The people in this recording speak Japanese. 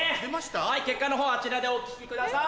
結果のほうあちらでお聞きください。